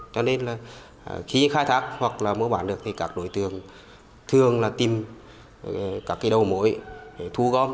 cho nên là khi khai thác hoặc là mua bán được thì các đối tượng thường là tìm các cái đầu mối để thu gom